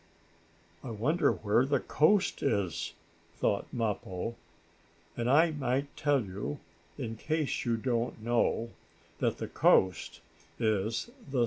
"I wonder where the coast is," thought Mappo, and I might tell you, in case you don't know, that the coast is the seashore.